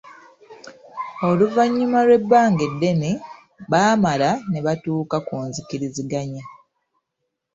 Oluvannyuma lw'ebbanga eddene, baamala ne batuuka ku nzikiriziganya.